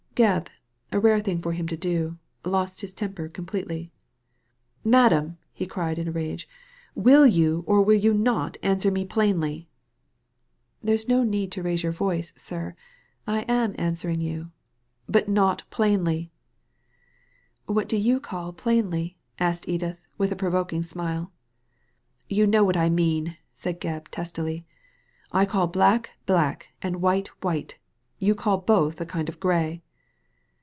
Gebb, a rare thing for him to do, lost his temper completely. "Madame!" he cried in a rag^ "will you or will you not answer me plainly ?" Digitized by Google STRANGE BEHAVIOUR loi ''There is no need to raise your voice, sir. I am answering you." "But not plainly!*' " What do you call plainly ?" asked Edith, with a provoking smile. You know what I mean/' said Gebb, testily. "I call black black and white white ; you call both a kind of grey."